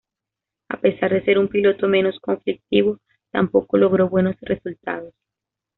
A pesar de ser un piloto menos conflictivo, tampoco logró buenos resultados.